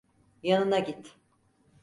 Yanına git.